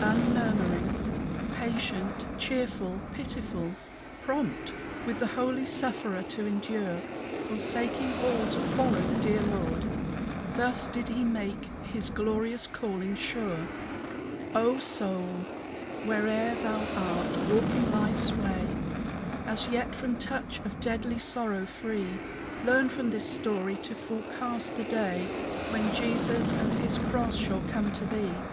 Unmurmuring, patient, cheerful, pitiful, Prompt with the holy sufferer to endure, Forsaking all to follow the dear Lord, Thus did he make his glorious calling sure. O soul, whoe'er thou art, walking life's way, As yet from touch of deadly sorrow free, Learn from this story to forecast the day When Jesus and his cross shall come to thee.